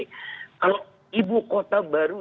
kalau ibu kota baru